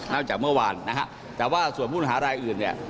จากเมื่อวานนะฮะแต่ว่าส่วนผู้ต้องหารายอื่นเนี่ย